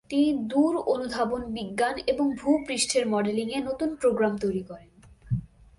তিনি দূর অনুধাবন বিজ্ঞান এবং ভূ-পৃষ্ঠের মডেলিং-এ নতুন প্রোগ্রাম তৈরি করেন।